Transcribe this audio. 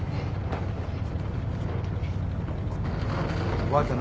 おばあちゃん